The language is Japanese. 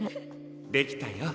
できたよ。